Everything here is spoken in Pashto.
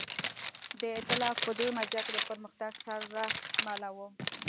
د اېتلاف په دویمه جګړه کې پرمختګ سره مله وه.